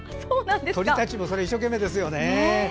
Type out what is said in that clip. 鳥たちも一生懸命ですよね。